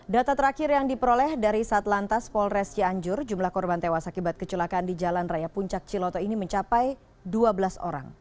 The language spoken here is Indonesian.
data terakhir yang diperoleh dari satlantas polres cianjur jumlah korban tewas akibat kecelakaan di jalan raya puncak ciloto ini mencapai dua belas orang